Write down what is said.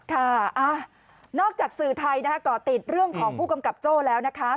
ค่ะนอกจากสื่อไทยนะคะก่อติดเรื่องของผู้กำกับโจ้แล้วนะคะ